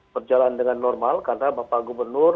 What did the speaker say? berjalan dengan normal karena bapak gubernur